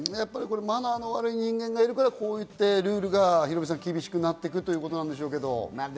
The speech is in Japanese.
マナーの悪い人間がいるから、こうやってルールが厳しくなっていくということですけど、ヒロミさん。